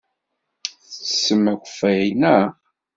Tettessemt akeffay, naɣ?